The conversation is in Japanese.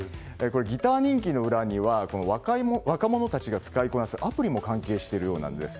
ギター人気の裏には若者たちが使いこなすアプリも関係しているようです。